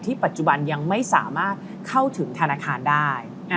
ปัจจุบันยังไม่สามารถเข้าถึงธนาคารได้